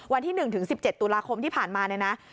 วันที่๑๑๗ตุลาคมที่ผ่านมา